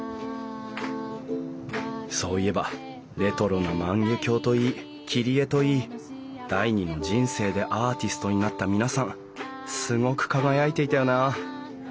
そういえばレトロな万華鏡といい切り絵といい第２の人生でアーティストになった皆さんすごく輝いていたよな。